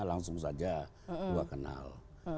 langsung saja dua kenal